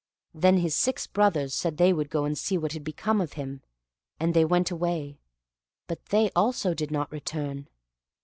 Then his six brothers said they would go and see what had become of him; and they went away, but they also did not return.